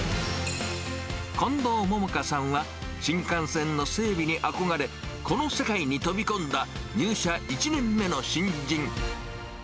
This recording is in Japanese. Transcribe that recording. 近藤桃佳さんは、新幹線の整備に憧れ、この世界に飛び込んだ入社１年目の新人。